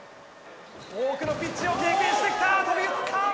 多くのピッチを経験してきた飛び移った！